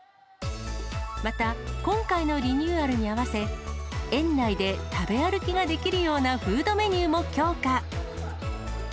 また今回のリニューアルに合わせ、園内で食べ歩きができるようなフードメニューも強化。